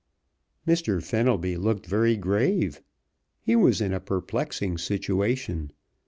Mr. Fenelby looked very grave. He was in a perplexing situation.